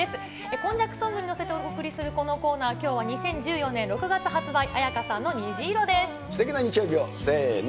今昔ソングに乗せてお送りするこのコーナー、きょうは２０１４年６月発売、すてきな日曜日を、せーの！